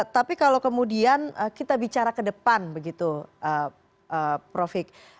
tapi kalau kemudian kita bicara ke depan begitu profik